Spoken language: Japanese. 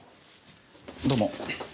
どうも。